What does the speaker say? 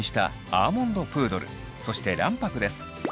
そして卵白です。